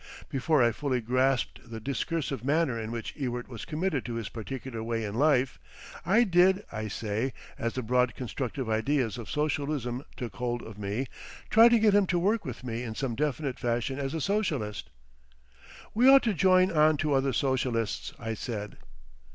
Before I fully grasped the discursive manner in which Ewart was committed to his particular way in life, I did, I say, as the broad constructive ideas of socialism took hold of me, try to get him to work with me in some definite fashion as a socialist. "We ought to join on to other socialists," I said.